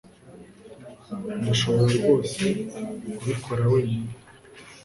Ndashoboye rwose kubikora wenyine.